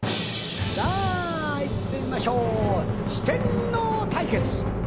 さあいってみましょう四天王対決！